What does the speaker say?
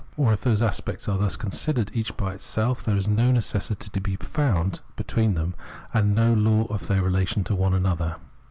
Or if those aspects are thus considered each by itself, there is no necessity to be found between them, and no law of their relation to one another.